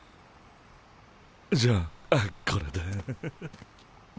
じゃあこれで。